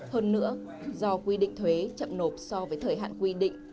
hơn nữa do quy định thuế chậm nộp so với thời hạn quy định